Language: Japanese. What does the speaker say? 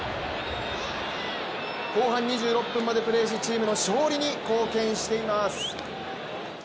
後半２６分までプレーしチームの勝利に貢献しています。